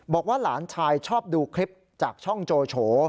บอกว่าหลานชายชอบดูคลิปจากช่องโจโฉ